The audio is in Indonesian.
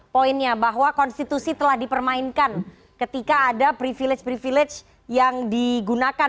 poinnya bahwa konstitusi telah dipermainkan ketika ada privilege privilege yang digunakan